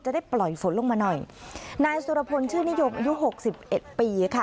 จะได้ปล่อยฝนลงมาหน่อยนายสุรพลชื่อนิยมอายุหกสิบเอ็ดปีค่ะ